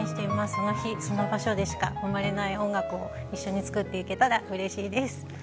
その日、その場所でしか生まれない音楽を一緒に作っていけたらうれしいです。